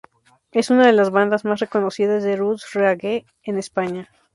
Es una de las bandas más reconocidas de "roots reggae" en España.